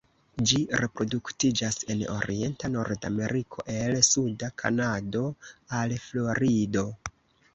Ĝi reproduktiĝas en orienta Nordameriko el suda Kanado al Florido.